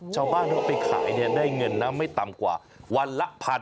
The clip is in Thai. ชาวบ้านเขาไปขายได้เงินนะไม่ต่ำกว่าวันละพัน